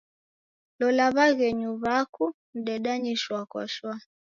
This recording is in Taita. Lola w'aghenyu w'aku mdedanye shwaa kwa shwaa.